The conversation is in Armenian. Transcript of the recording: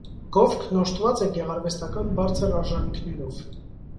Գովքն օժտուած է գեղարուեստական բարձր արժանիքներով։